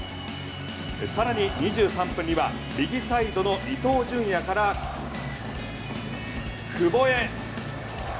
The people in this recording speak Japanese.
さらに２３分には右サイドの伊東純也から久保へ。